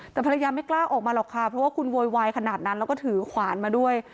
แต่ภรรยาไม่กล้าออกมาหรอกค่ะเพราะว่าคุณโวยวายขนาดนั้นแล้วก็ถือขวานมาด้วย